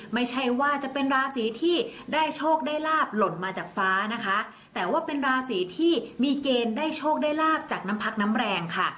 ไม่ใช่ว่าจะเป็นราศีที่ได้โชคได้ลาบหล่นมาจากฟ้านะคะแต่ว่าเป็นราศีที่มีเกณฑ์ได้โชคได้ลาบจากน้ำพักน้ำแรงค่ะ